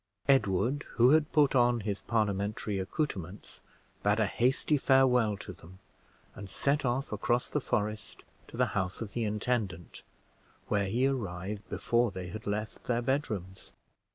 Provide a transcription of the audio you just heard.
Edward, who had put on his Parliamentary accouterments, bade a hasty farewell to them, and set off across the forest to the house of the intendant, where he arrived before they had left their bedrooms.